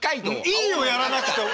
いいよやらなくて。